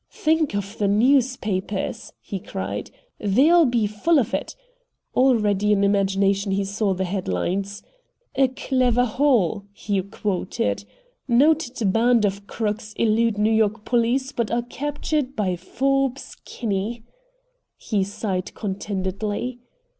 "Think of the newspapers," he cried; "they'll be full of it!" Already in imagination he saw the headlines. "'A Clever Haul!'" he quoted. "'Noted band of crooks elude New York police, but are captured by Forbes Kinney.'" He sighed contentedly.